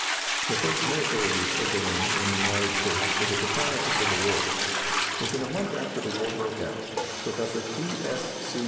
The first military use of balloons in the United States was at the time of the Civil War. Within a month after the war broke out, Professor T. S. C.